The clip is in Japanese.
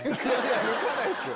抜かないっすよ！